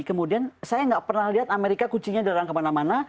kemudian saya nggak pernah lihat amerika kucingnya dilarang kemana mana